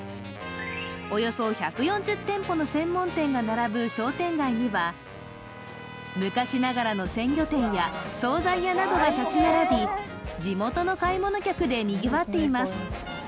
およそ１４０店舗の専門店が並ぶ商店街には昔ながらの鮮魚店や総菜屋などが立ち並び地元の買い物客でにぎわっています